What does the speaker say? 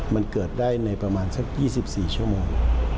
มันเกิดได้ในประมาณสัก๒๔ชั่วโมง